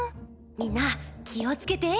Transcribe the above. みんな気をつけて。